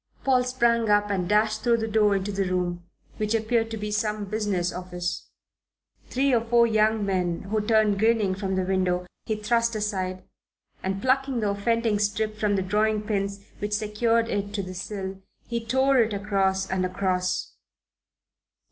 Paul sprang up and dashed through the door into the room, which appeared to be some business office. Three or four young men, who turned grinning from the window, he thrust aside, and plucking the offending strip from the drawing pins which secured it to the sill, he tore it across and across.